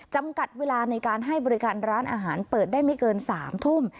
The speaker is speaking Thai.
จำกัดเวลาในการให้บริการร้านอาหารเปิดได้ไม่เกิน๓ทุ่ม